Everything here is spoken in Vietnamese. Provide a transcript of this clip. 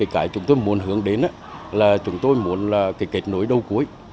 cái chúng tôi muốn hướng đến là chúng tôi muốn là cái kết nối đầu cuối